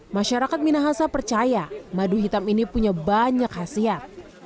masyarakat minahasa percaya madu hitam ini punya banyak khasiat